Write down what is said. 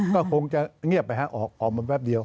ก็คงจะเงียบไปฮะออกมาแป๊บเดียว